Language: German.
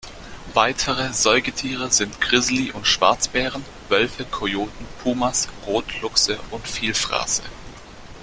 Weitere Säugetiere sind Grizzly- und Schwarzbären, Wölfe, Kojoten, Pumas, Rotluchse und Vielfraße.